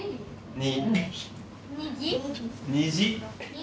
「虹」。